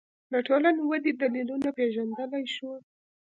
د ټولنې ودې دلیلونه پېژندلی شو